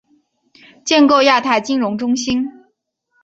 建构亚太金融中心